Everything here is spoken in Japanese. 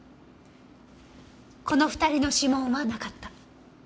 この２人の指紋はなかった。